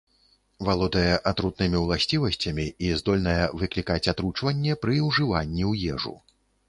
Валодае атрутнымі ўласцівасцямі і здольная выклікаць атручванне пры ўжыванні ў ежу.